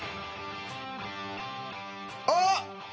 あっ！